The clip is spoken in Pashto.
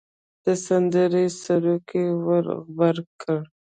د سندرې سروکی ور غبرګ کړ.